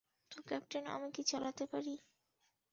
তো ক্যাপ্টেন, আমি কি চালাতে পারি?